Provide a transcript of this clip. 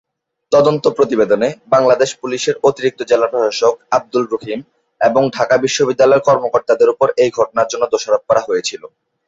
তদন্ত প্রতিবেদনে বাংলাদেশ পুলিশের অতিরিক্ত জেলা প্রশাসক আবদুর রহিম এবং ঢাকা বিশ্ববিদ্যালয়ের কর্মকর্তাদের উপর এই ঘটনার জন্য দোষারোপ করা হয়েছিল।